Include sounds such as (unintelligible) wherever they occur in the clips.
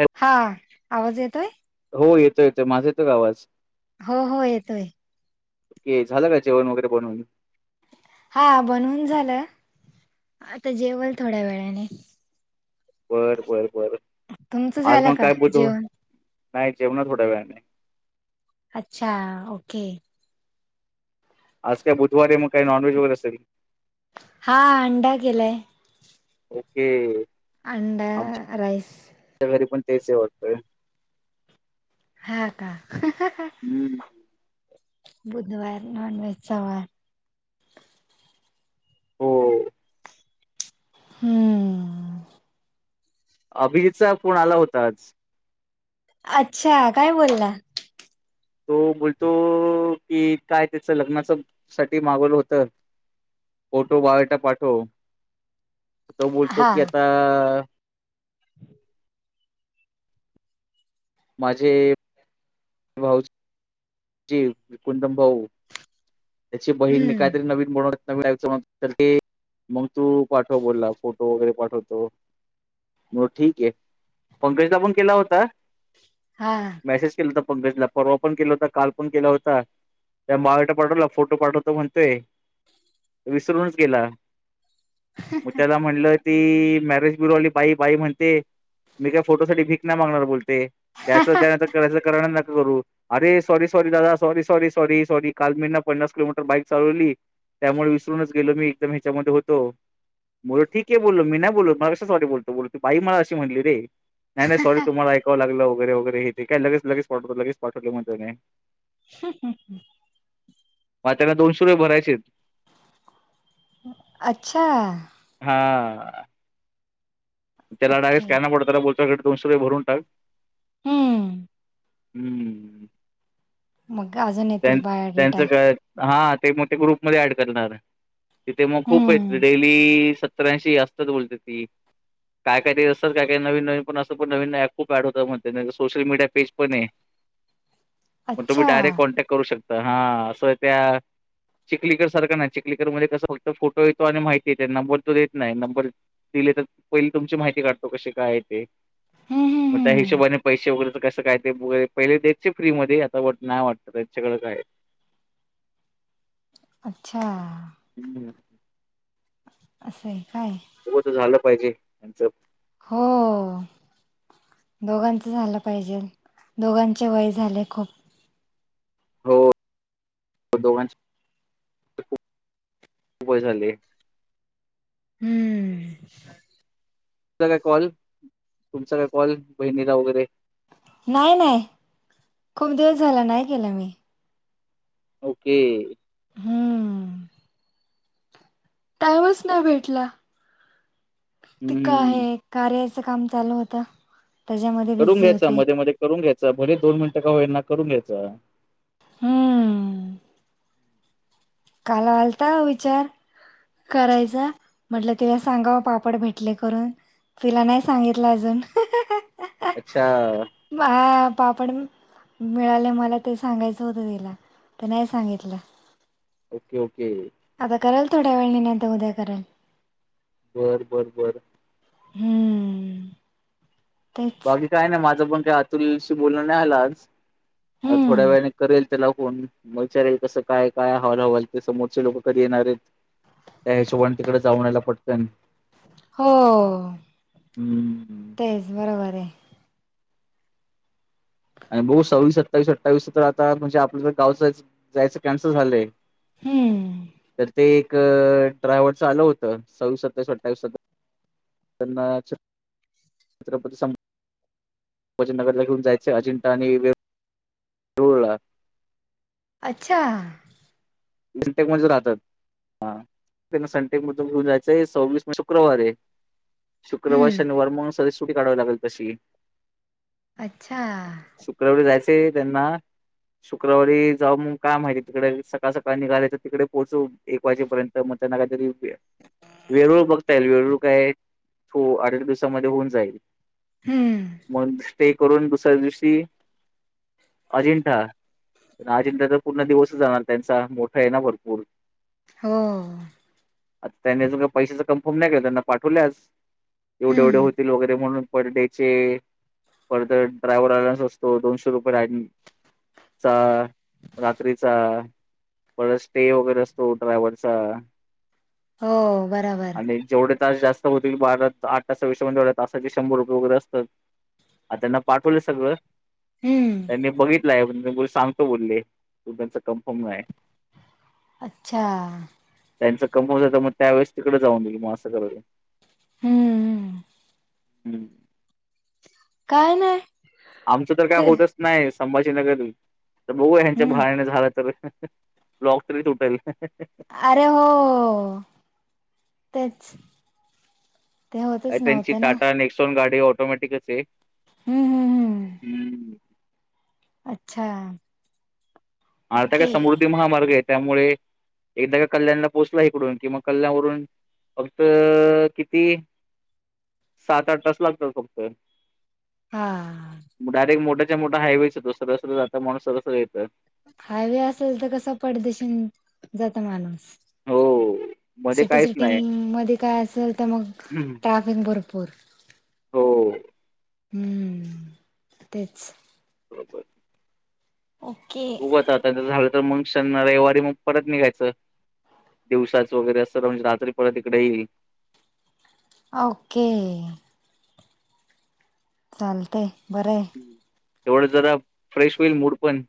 हॅ हा आवाज येतोय हो येतो येतो माझा येतो ग आवाज हो हो येतोय झालं काय जेवण वगैरे बनवून हा बनवून झालं आता जेवल थोड्या वेळाने बरं बर बर तुमचं आज झालं मग का काय बोलत जेवण नाही जेऊ ना थोड्या वेळने अच्छा ओके आज काय बुधवारी मग काही नॉनव्हेज वगैरे असेल हा अंडा केलाय ओके अंडा राईस तेचे होतोय ह का हम्म बुधवार नॉन वहेज सवार हो हम्म अभ चा फण आला होता आज अच्छा काय बोलला तो बोलतो कि काय त्याच लग्नाच साठी मागवलं होत फोटो बावेटा पाठव तो बोलतो हा की आता माझे भाऊ जी कुंदम भाऊ त्याची बहीणी मी काहीतरी हम्म नवीन बनवत मग तू पाठव बोलला फोटो वगैरे पाठवतो म ठीक आहे पंकजला पण केला होता हा मेसेज केलं तर पणे परवा पण केलता काल पण केला होता त्या मागट पाठवला फोटो पाठवतो म्हणतोय विसरूनच गेला मग त्याला म्हणलं ती मॅरेज ब्युरो वाली बाई बाई म्हणते मी त्या फोटोसाठीठी भी नाही मागणार बोलते ते द्याच द करायचं करण न करू अरे सॉरी सॉरी दादा सॉरी सॉरी सॉरी सॉरी काल मीना पन्नास किलोमीटर बाईक चालवली त्यामुळे विसरूनच गेलो मी एकदम ह्याच्यामध्ये होतो बोल ठीक आहे बोलो मी ना बोल मलाा सॉरी बोलतो बोल ती बाई मला अशी म्हणली रे नाही सॉरी तुम्हालाऐव लागलं वगैरे काय लगे लगेच पाठवत म्हणते मी ह् ह ह (unintelligible) मग त्याना दोनशे रुये भरायचे अच्छा हा त्याला डायरेक्ट ओके स्कॅनर पाठव बोल च्याकडे दोनशे भरून टाक हम्म हम्म मग अजून त्यां येतील त्यांचं बायोडेटा काय हा ते मोठे ग्रुपमध्ये ऍड करणार तिथे मग खूप येतो हम्म डेली त्र्याऐंशीअसतात बोलते ती काय काय दि असतात काय काय नवीन नवीन पण असं पण नवीन ऍप खूप ऍड होतं मच सोशल मीडिया पेज पण आहे मग तुम्ही अच्छा डायरेक्ट कॉन्टॅक्ट करू शकता हा असं त्या चिखलीकर सारखं ना चिखलीकर मध्ये कस फक्त फोटो येतो आणि माहिती येते नंबर तो देत नाही नंबर दिले तर पहिली तुमची माहिती काढतो कशी काय ते हम्म हम्म म त्या हम्म हिशोबाने पैसे वगैरे कसं काय तेैर पहिले देतचे फ्री मध्ये आता नाही वाटत (unintelligible) अच्छा हम असाय हो आत्ता झालं पाहिजे त्यांचं हो दोघांच झालं पाहिजे दोघांचे वय झाले खूप हो दोघांचे पन वय झाले हम्म तुझा काय कॉल तुमचा काय कॉल बहिणीला वगैरे नाही नाही खूप दिवस झाला नाही केला मी ओके हम्म त्यावच ना भेटला ते काय हम्म आहे कार्या च काम चालू होत त्याच्यामध्ये करून बिझी घ्यायचा होती मध्ये मध्ये करून घ्यायच भले दोन मिनिट का होईना करून घ्याचं हम्म काल आलता विचार करायचा म्हटलं तिला सांगाव पापड भेटले करून तिला नाय सांगितलं अजून अच्छा हा पापड मि मिळाले मला ते सांगायचं होतं तिला पण नाय सांगितला. ओके ओके थोड्या वेळाने निवांत उद्या करल. बर बर बर हूं बाकी काय नाय माझं पण त्या अतुलशी बोलण न्हाय झाल आज आता थोड्या हम्म वेळाने करेल. तेला फोन म विचारीन कसं काय काय हाल हवाल ते समोरचे लोक कधी येणार आहेत त्या हिशोबाने तिकड जाऊन यायला पटकन हो हम्म. तेच बरोबर ये. आणि बघु सव्वीस सत्तावीस अठ्ठावीस तर आता म्हणजे आपलं ज गाव जाचं जायचं कॅन्सल झालंय. हम्म तर ते एक एक ड्रायव्हर च आल होतं सव्वीस सत्तावीस अठ्ठावीस स त्यांना चं (unintelligible) भजननगरला घेऊन जायचय अजिंठा आणि वेरूळला अच्छा सनटेक मध्ये राहतात हा त्यांना सनटेक मधून घेऊन जायचंय सव्वीस म शुक्रवारी. शुक्रवार हम्म शनिवार म्हणून सुटी काढावी लागेल तशी अच्छा ते त्यांना शुक्रवारी जाऊ मग काय माहिती तिकडे सकाळ सकाळ निघाले तर तिकडे पोचू. एक वाजेपर्यंत म त्यांना काहीतरी वेरुळ बघता येईल वेरूळ काय फो आठएक दिवसामध्ये होऊन जाईल. हम्म मग स्टे करून दुसऱ्या दिवशी अजिंठा आणि अजिंठाचा पूर्ण दिवस जाणार त्यांच मोठा आहे ना भरपूर हो आता त्यांनी अजून का पैशाच कम्फर्म नाय केला त्यांना पाठवलय आज एवढे एवढे हम्म होतील वगैरे म्हणून पर डे पर तर ड्रायव्हर लायन्स असतो दोनशे रुपये (unintelligible) चा रात्रीचा परत स्टे वगैरे असतो ड्रायवरचा. हो बराबर तास जास्त होतील बाजा आठ तासापेक्षा तासाचे शंभर रुपये वगैरे असतात. आता त्यांना पाठवलंय सगळं हम्म त्यांनी बघित (inaudible) अच्छा (inaudible) हम्ममम हम्म काय (inaudible) आमचं तर काय ते होतच नाही संभाजी जनगर तर बघ ह्यांच्या हम्म भाडने झाला तर लॉक्स तरी तुटेल अरे हो तेच ते होतच नव्हतं ना (inaudible) ऑटोमॅटिकच हम्म हम्म हम्म (inaudible) हम्म. अच्छा आर्ता काय ओके समृद्धी महामार्ग आहेत (inaudible) ायरेक्ट हा मोठा (inaudible) मोठायवेच होो सर जाता माणस सर येतं हायवे असेल हो मध्ये सिटी काहीच सिटी नाही मध्ये काय असेल तर मग ट्राफिक भरपूर हो तेच बपर (inaudible) ओके उग आता झालं मग शन रविवारी मग परत निघायचं दिवसाचं वगैरे अस म्हणजे रात्री परत इकडे येईल ओके चालतय बरं एवढं जरा फ्रेश होईल मूड पण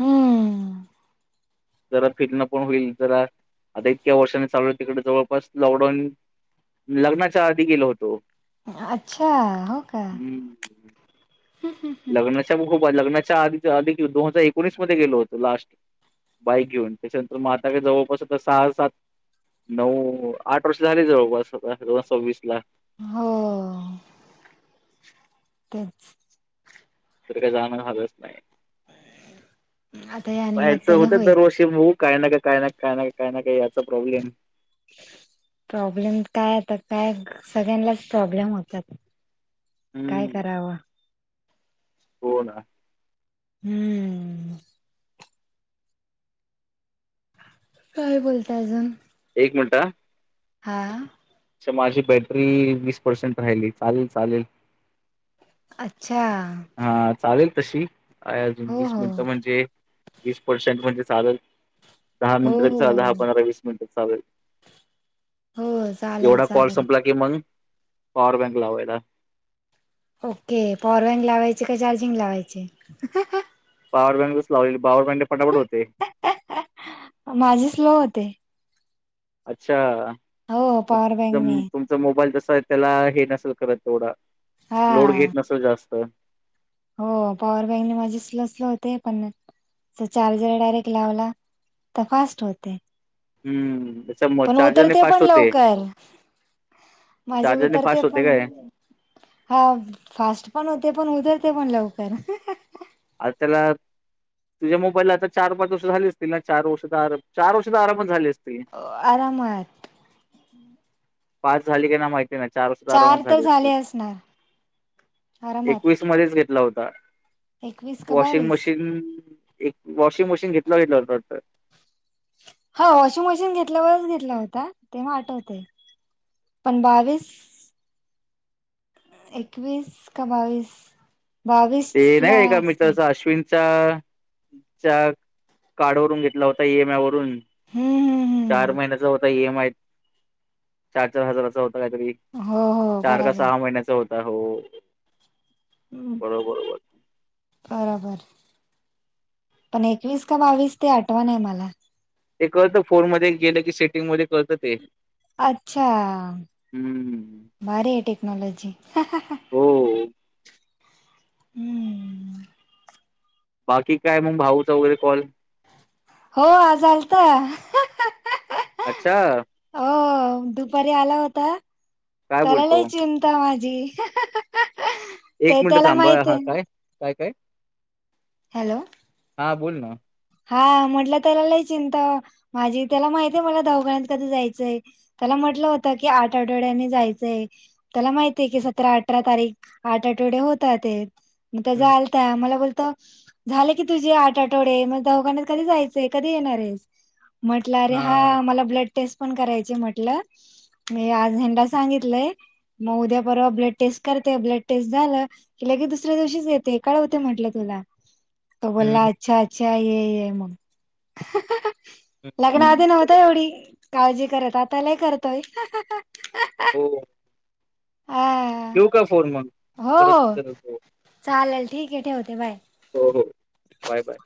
हम्म जरा फिरणं पण होईल जरा आता इतक्या वर्षानी चाललं तिकडे जवळपास लॉकडाऊन लग्नाच्या आधी गेलो होतो अच्छा हो का हम्म लग्नाच्या ख लग्नाच्या आधी दोन हजार एकोणविस मधे गेलो होतो बाईक घेऊन म आताा का जवळपास आता सहा सात नऊ आठ वर्ष झाली जवळपास आता दोन हजार सव्वीस ला हो ते तिकडे जाणं झालंच नाही आता या वायच निमित्ताने होत होईल दरवर्षी बु काय ना का काय नाही काय नाही का काय ना काय याचा प्रॉब्लेम प्रॉब्लेम काय आता काय सगळ्यांनाच प्रॉब्लेम होतात काय हम्म करावं हो ना हम्म काय बोलताय अजून एक मिनटं हा (unintelligible) माझी बॅटरी वीस पर्सेंट राहिली चालेल चालेल अच्छा हा चालेल तशी हाय अजून हो वीस हो मिनिटं म्हणजे वीस पर्सेंट म्हणजे चालल दहा हो मिनिटा तर हो चालल हा पंधरा वीस मिनिट चालल हो चालेल एवढा कॉल चालेल संपला की मन पाॉवर बँक लावायचा ओके पॉवर बँक लावायचे का चार्जिंग लावायचे (unintelligible) पॉवर बँकच लाली पवर बँक फटाफट हो (unintelligible) माझे स्लो होते अच्छा हो पॉवर बँक ने व्हय त्याला हे नसल करत तेवढं हा लोड घेत नसल जास्त हो पॉवर बँकने माझे स्लो स्लो होते पण च चार्जर डायरेक्ट लावला तर फास्ट होते हम्म त्याच्या पण चार्जरने उतरते फास्ट पण होते लवकर माझे चार्जरने उतरते फास्ट होते पण काय हा फास्ट पण होते पण उतरते पण लव तरा (unintelligible) आ त्याला तुझ्या मोबाईलला आता चार पाच वर्ष झाली असतील ना चार वर्ष आरा चार वर्ष त आरामच झाले असतील अ आरामात पास झाली का ना माहित चार सुद्धा आरामात तर झाली असती झाले असणार एकवीस आरामात मध्येच घेतला हो एकवीस (unintelligible) का वॉशिंग बावीस मशीन एक वॉशिंग मशीन घेतलं (unintelligible) हा वॉशिंग मशीन घेतल्यावरच घेतला होता तेव्हा आठवतेय पण बावीस (inaudible) एकवीस का बावीस बावीस ते नाही ला का एका असेल मित्राचा अश्विन च्या च्या कार्ड वरून घेतला होता ई एम आय वरून हम्म चार हम्म महिन्याचा होता इ एम चार चार हजाराचा होता काहीतरी हम्म हो हो चार का बराबर सहा महिन्याच होत हो हम्म, बरोबर बरोबर बरोबर पण एकवीस का बावीस ते आठवण मला ते कळत फोर मध्ये गेलं की सेटिंग मध्ये कळत ते अच्छा हम्म भारी आहे टेक्नॉलॉजी हा हा हा हो हम्म बाकी काय मग भाऊचा वगैरे कॉल हो आज आलता अच्छा हो दुपारी आला होता काय त्यालाला बोलतो चिंताय माझी माझी एक मिनिटं थांब हा काय काय काय हॅलो हां बोल ना हा म्हटलं त्याला लय चिंता माझी त्याला माहित आहे मला दवाखान्यात कधी जायचंय त्याला म्हटलं होतं की आठ आठवड्यानी जायचंय त्याला माहितीय कि सतरा अठरा तारीख आठ आठवडे होतात मग त्याचा हम्म आलता मला बोल झालं की तुझे आठ आठवडे मग दवाखान्यात कधी जायचंय कधी येणार आहेस म्हटलं अरे हा मला ब्लड टेस्ट पण करायची आहे म्हटलं मी आज यांना सांगितलंय मग उद्या परवा ब्लड टेस्ट करते ब्लड टेस्ट झा की लगेच दुसऱ्या दिवशीच येते कळवते म्हटलं तुला तो बोला हम्म अच्छा अच्छा काय ये ये मग हम्म हम्म लग्नाआधी नव्हत बरोबर एवढी काळजी करत आता लय करतोय. हा ठेऊ का फोन मग हो परत हो करत चालेल ठीक आहे ठेवते बाय. हो बाय बाय.